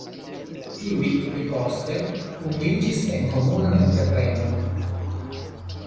Tiuj pli poste unuiĝis en komunan entreprenon.